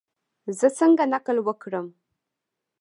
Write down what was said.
زه څنګه نقل وکړم؟